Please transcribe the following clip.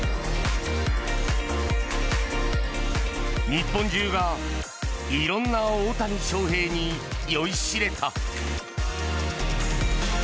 日本中がいろんな大谷翔平に酔いしれた。